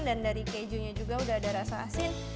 dan dari kejunya juga sudah ada rasa asin